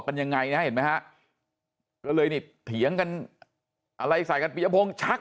กันยังไงนะเห็นไหมฮะก็เลยนี่เถียงกันอะไรใส่กันปียพงศ์ชัก